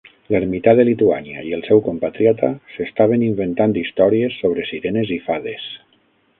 L'ermità de Lituània i el seu compatriota s'estaven inventant històries sobre sirenes i fades.